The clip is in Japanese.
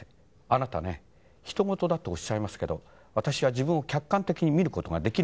「あなたね人ごとだとおっしゃいますけど私は自分を客観的に見る事ができるんです」。